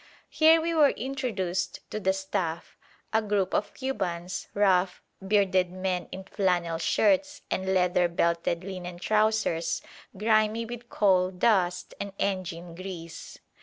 Here we were introduced to the staff, a group of Cubans, rough, bearded men in flannel shirts and leather belted linen trousers grimy with coal dust and engine grease.